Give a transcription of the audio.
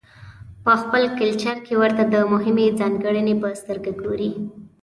په خپل کلچر کې ورته د مهمې ځانګړنې په سترګه ګورو.